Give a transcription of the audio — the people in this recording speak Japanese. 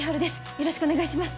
よろしくお願いします。